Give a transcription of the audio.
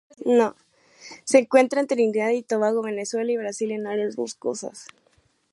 Se encuentra en Trinidad y Tobago, Venezuela y Brasil en áreas boscosas.